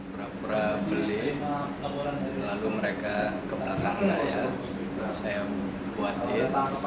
pura pura beli lalu mereka ke belakang saya saya buatin